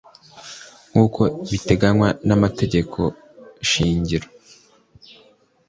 Nkuko biteganywa n’amategeko shingiro